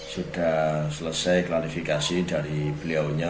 sudah selesai klarifikasi dari beliaunya